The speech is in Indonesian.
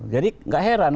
jadi gak heran